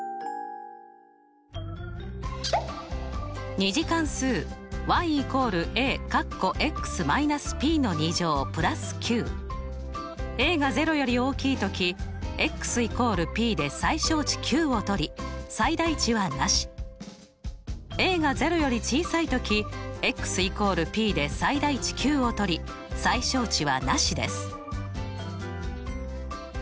２次関数が０より大きいとき＝ｐで最小値ｑをとり最大値はなし。が０より小さいとき＝ｐで最大値ｑをとり最小値はなしです。